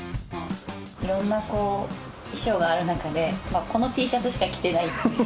いろんなこう衣装がある中でこのＴシャツしか着てないんですよ